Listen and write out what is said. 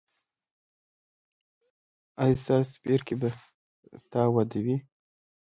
ایا ستاسو پیرکي به تاوده وي؟